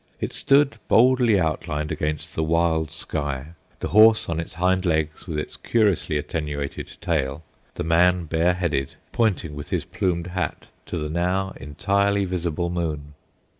It stood boldly outlined against the wild sky: the horse on its hind legs, with its curiously attenuated tail; the man bareheaded, pointing with his plumed hat to the now entirely visible moon.